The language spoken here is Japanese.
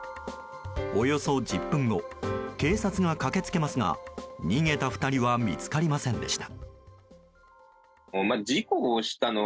およそ１０分後警察が駆け付けますが逃げた２人は見つかりませんでした。